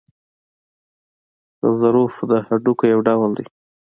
غضروف د هډوکو یو ډول دی.